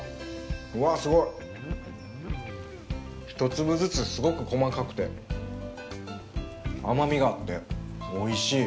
１粒ずつすごく細かくて甘みがあっておいしい。